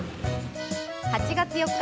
８月４日